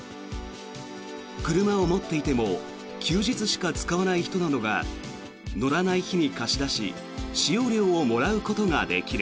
車を持っていても休日しか使わない人などが乗らない日に貸し出し使用料をもらうことができる。